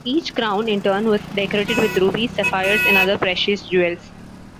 Each crown in turn was decorated with rubies, sapphires and other precious jewels.